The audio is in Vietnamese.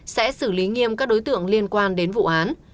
sẽ xử lý nghiêm các đối tượng liên quan đến vụ án